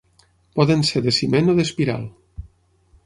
Poden ser de ciment o d'espiral.